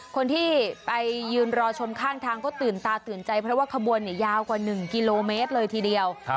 คนที่ไปยืนรอชนข้างทางก็ตื่นตาตื่นใจเพราะว่าขบวนยาวกว่า๑กิโลเมตรเลยทีเดียว